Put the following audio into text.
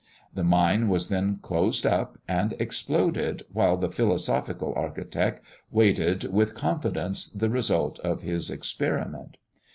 The mine was then closed up, and exploded, while the philosophical architect waited with confidence the result of his experiment.